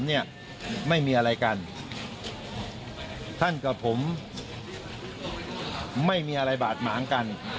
เนี่ยไม่มีอะไรกันท่านกับผมไม่มีอะไรบาดหมางกัน